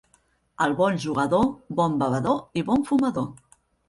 El bon jugador, bon bevedor i bon fumador.